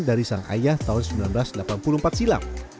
dari sang ayah tahun seribu sembilan ratus delapan puluh empat silam